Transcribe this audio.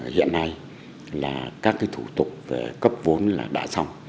hiện nay là các cái thủ tục về cấp vốn là đã xong